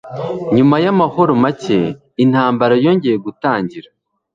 Nyuma y’amahoro make, intambara yongeye gutangira.